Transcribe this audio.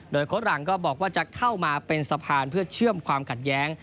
โดยโค้ดหลังก็บอกว่าจะเข้ามาเป็นสะพานเพื่อเชื่อมความขัดแย้ง